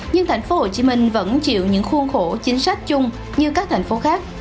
nhưng thành phố hồ chí minh vẫn chịu những khuôn khổ chính sách chung như các thành phố khác